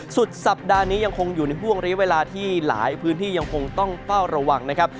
สุดสัปดาห์นี้ยังคงอยู่ในห่วงเรียกเวลาที่หลายพื้นที่ยังคงต้องเฝ้าระวังนะครับ